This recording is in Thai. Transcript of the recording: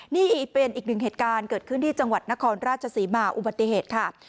นี่เป็นอีกหนึ่งเหตุการณ์เกิดขึ้นที่จังหวัดนครราชศรีมาอุบัติเหตุค่ะ